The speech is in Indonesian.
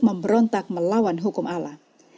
memberontak melawan hukum allah